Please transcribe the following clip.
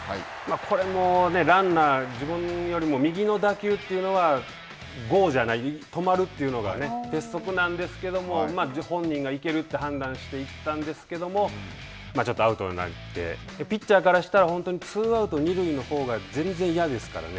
これもね、ランナー、自分よりも右の打球というのは、ゴーじゃない、止まるというのがね、鉄則なんですけれども、本人が行けると判断して行ったんですけども、ちょっとアウトになって、ピッチャーからしたら、本当にツーアウト、二塁のほうが、全然嫌ですからね。